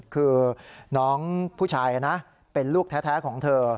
คือน้องผู้ชายนะเป็นลูกแท้ของเธอ